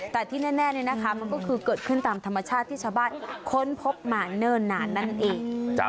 แต่ที่แน่มันก็คือเกิดขึ้นตามธรรมชาติที่ชาวบ้านค้นพบมาเนิ่นนานนั่นเอง